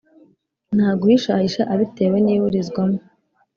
ntaguhishahisha abitewe n' iburizwamo